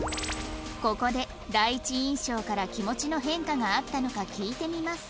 ここで第一印象から気持ちの変化があったのか聞いてみます